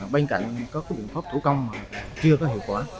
bên cạnh có biện pháp thủ công chưa có hiệu quả